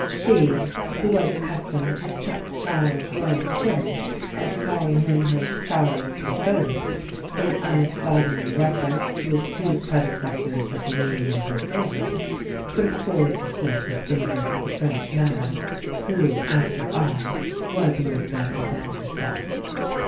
She, who was accustomed to "chuck Charles's royal chin," and to call him her "Charles the third," in unflattering reference to his two predecessors of the name in her favour, could afford to snap her fingers at the French madame who, after all, was no better than herself.